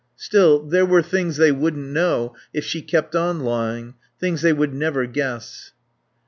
Still, there were things they wouldn't know if she kept on lying, things they would never guess.